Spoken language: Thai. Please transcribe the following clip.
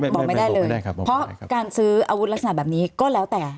บอกไม่ได้เลยเพราะการซื้ออาวุธลักษณะแบบนี้ก็แล้วแต่